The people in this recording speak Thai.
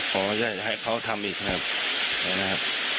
ขอให้เขาทำอีกนะครับ